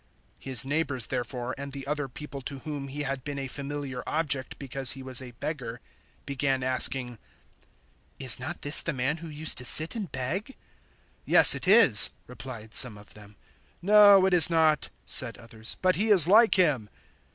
009:008 His neighbours, therefore, and the other people to whom he had been a familiar object because he was a beggar, began asking, "Is not this the man who used to sit and beg?" 009:009 "Yes it is," replied some of them. "No it is not," said others, "but he is like him."